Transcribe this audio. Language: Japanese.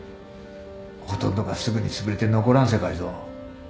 ほとんどがすぐにつぶれて残らん世界ぞ。